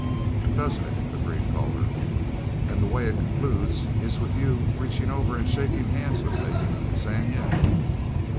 "Doesn't it?" agreed Calder, "and the way it concludes is with you reaching over and shaking hands with me and saying 'yes'!"